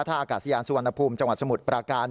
ท่าอากาศยานสุวรรณภูมิจังหวัดสมุทรปราการ